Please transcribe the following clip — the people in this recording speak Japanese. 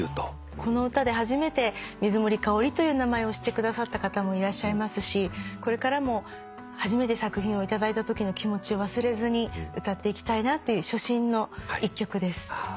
この歌で初めて「水森かおり」という名前を知ってくださった方もいらっしゃいますしこれからも初めて作品を頂いたときの気持ちを忘れずに歌っていきたいなという初心の一曲です。